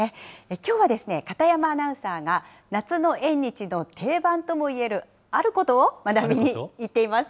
きょうはですね、片山アナウンサーが、夏の縁日の定番ともいえるあることを学びに行っています。